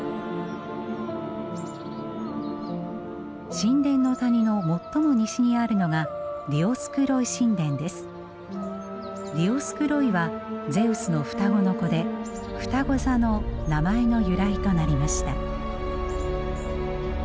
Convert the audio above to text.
神殿の谷の最も西にあるのがディオスクロイはゼウスの双子の子でふたご座の名前の由来となりました。